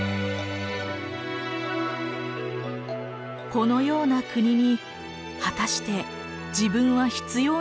このような国に果たして自分は必要なのだろうか。